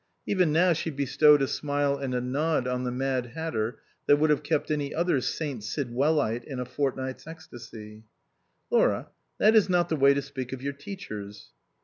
Even now she bestowed a smile and a nod on the Mad Hatter that would have kept any other St. Sidwellite in a fortnight's ecstasy. " Laura, that is not the way to speak of your teachers."